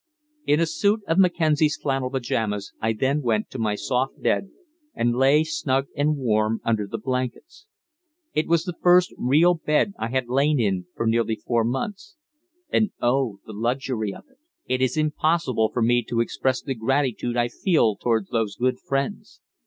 In a suit of Mackenzie's flannel pajamas I then went to my soft bed, and lay snug and warm under the blankets. It was the first real bed I had lain in for nearly four months, and oh, the luxury of it! It is impossible for me to express the gratitude I feel towards those good friends.